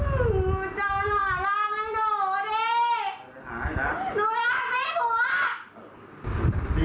เอ้าใจมาหาร้างให้หนูดิ